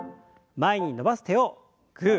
前に伸ばす手をグー。